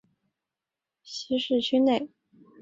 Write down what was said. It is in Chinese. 阿讷西站位于阿讷西市区内。